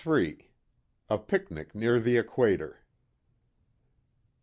A PICNIC NEAR THE EQUATOR.